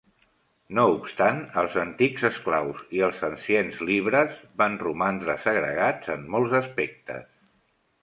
No obstant, els antics esclaus i els "anciens libres" van romandre segregats en molts aspectes.